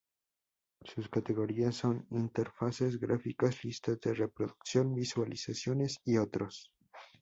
Sus categorías son: interfaces gráficas, listas de reproducción, visualizaciones y otros.